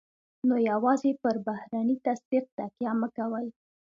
نو يوازې پر بهرني تصديق تکیه مه کوئ.